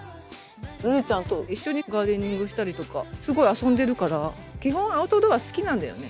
瑠璃ちゃんと一緒にガーデニングしたりとかすごい遊んでるから基本アウトドア好きなんだよね。